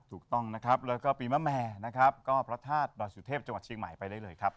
ถูกต้องนะครับแล้วก็ปีมะแม่นะครับก็พระธาตุดอยสุเทพจังหวัดเชียงใหม่ไปได้เลยครับ